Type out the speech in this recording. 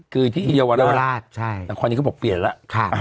คือที่เยาวราชนครนี้เขาบอกเปลี่ยนแล้ว